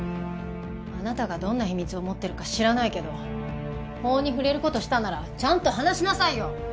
あなたがどんな秘密を持ってるか知らないけど法に触れる事したならちゃんと話しなさいよ！